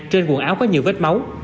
đoàn áo có nhiều vết máu